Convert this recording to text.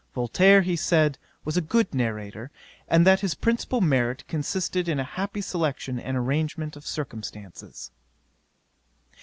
Voltaire, he said, was a good narrator, and that his principal merit consisted in a happy selection and arrangement of circumstances.